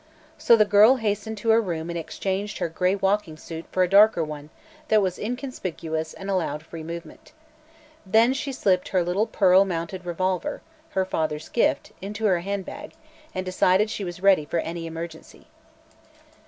So the girl hastened to her room and exchanged her gray walking suit for a darker one that was inconspicuous and allowed free movement. Then she slipped her little pearl mounted revolver her father's gift into her handbag and decided she was ready for any emergency.